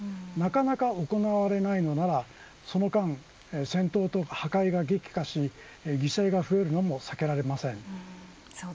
なかなか行われないのならその間戦闘と破壊が激化し犠牲が増えるのも避けられません。